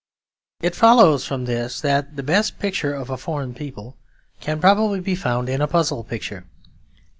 It follows from this that the best picture of a foreign people can probably be found in a puzzle picture.